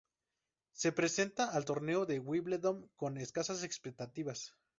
Se presenta al torneo de Wimbledon con escasas expectativas.